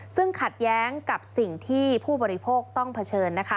ซึ่งขัดแย้งกับสิ่งที่ผู้บริโภคต้องเผชิญนะคะ